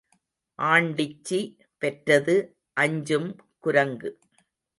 ஆண்டிச்சி பெற்றது அஞ்சும் குரங்கு